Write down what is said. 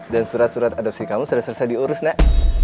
dan surat surat adopsi kamu sudah selesai diurus nak